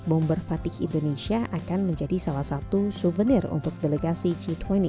bomber fatih indonesia akan menjadi salah satu souvenir untuk delegasi g dua puluh